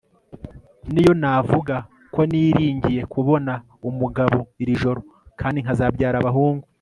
niyo navuga ko niringiye kubona umugabo iri joro kandi nkazabyara abahungu